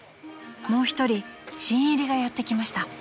［もう一人新入りがやって来ました］